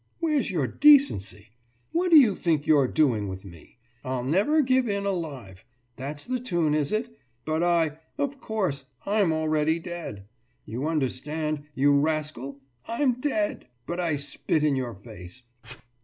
Where's your decency? What do you think you're doing with me? »I'll never give in alive.« That's the tune is it? But I of course, I'm already dead. You understand, you rascal? I'm dead! But I spit in your face